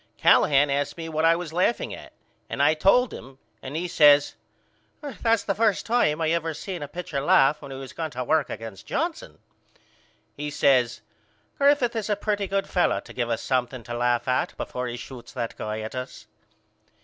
Callahan asked me what was I laughing at and I told him and he says That's the first time I ever seen a pitcher laugh when he was going to work against Johnson. He says Griffith is a pretty good fellow to give us something to laugh at before he shoots that guy at us.